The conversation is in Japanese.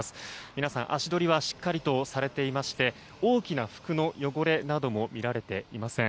皆さん、足取りはしっかりとされていまして多くの服の汚れなども見られていません。